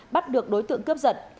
bắt được đối tượng cướp giật